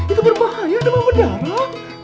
itu berbahaya ada mamun darah